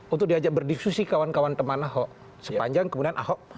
untuk diajak berdiskusi kawan kawan teman ahok sepanjang kemudian ahok